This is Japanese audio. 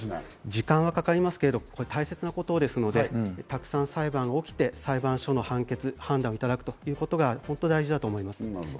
時間はかかりますけど大切なことですので、たくさん裁判が起きて、裁判所の判決・判断をいただくということが本当に大事だと思います。